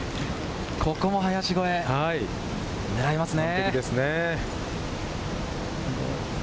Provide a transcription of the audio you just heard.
ここも林越え、狙いますね。